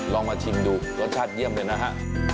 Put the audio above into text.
ลองมาชิมดูรสชาติเยี่ยมเลยนะฮะ